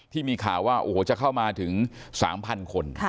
ที่มีข่าวว่าโอ้โหจะเข้ามาถึง๓๐๐คน